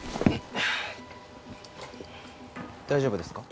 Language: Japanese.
大丈夫ですか？